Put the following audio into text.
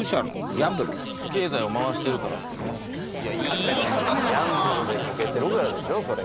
ギャンブルで溶けてるからでしょそれ。